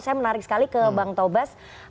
saya menarik sekali ke bang tobas